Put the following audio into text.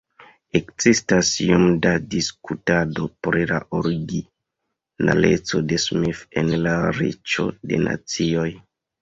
Ekzistas iom da diskutado pri la originaleco de Smith en "La Riĉo de Nacioj".